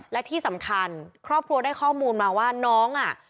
และที่สำคัญครอบครัวได้ข้อมูลมาว่าน้องอ่ะ